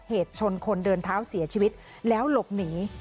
เหตุชนคนเดินเท้าเสียชีวิตแล้วหลบหนี